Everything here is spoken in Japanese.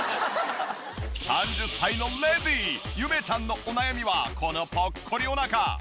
３０歳のレディーゆめちゃんのお悩みはこのぽっこりお腹。